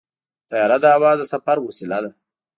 طیاره د هوا د سفر وسیله ده.